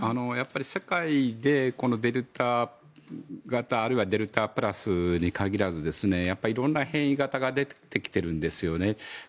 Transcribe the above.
世界で、デルタ型あるいはデルタプラスに限らずいろんな変異型が出てきているんですよね。